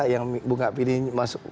yang bukan pilih masuk